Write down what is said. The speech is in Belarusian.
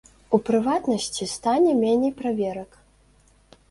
У прыватнасці, стане меней праверак.